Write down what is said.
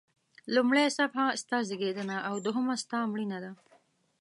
لومړۍ صفحه ستا زیږېدنه او دوهمه ستا مړینه ده.